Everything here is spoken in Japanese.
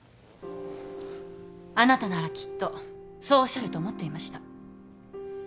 あなたならきっとそうおっしゃると思っていました。